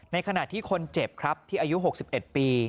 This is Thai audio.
ขณะที่คนเจ็บครับที่อายุ๖๑ปี